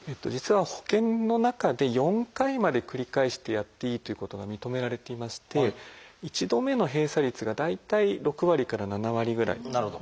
実は保険の中で４回まで繰り返してやっていいということが認められていまして１度目の閉鎖率が大体６割から７割ぐらい。